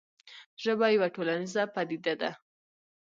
ژبه یوه ټولنیزه پدیده ده.